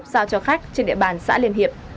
giao cho khách trên địa bàn xã liên hiệp